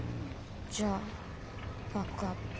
じゃあバックアップ。